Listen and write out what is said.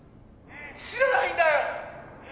知らないんだよ！